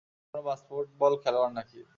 কোনো বাস্কেটবল খেলোয়ার নাকি?